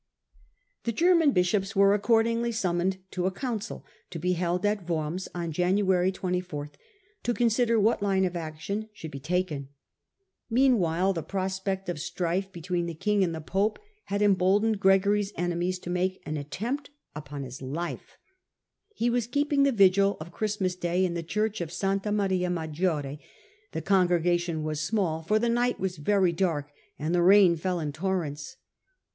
The German bishops were accordingly summoned to a council, to be held at Worms on January 24, to consider what line of action should be taken. , j/ Meanwhile the prospect of strife between the king '[ and the pope had emboldened Gregory's enemies to \ Attempt Dciake an attempt upon his life. He was \ Sop^siife keeping the vigil of Christmas day in the \*°^°*® church of St. Maria Maggiore ; the congre j^ gation was small, for the night was very dark and the * rain fell in torrents.